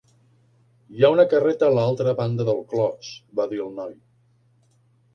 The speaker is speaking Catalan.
"HI ha una carreta a l'alta banda del clos", va dir el noi.